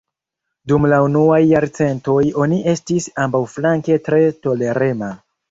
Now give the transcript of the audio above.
Dum la unuaj jarcentoj oni estis ambaŭflanke tre tolerema.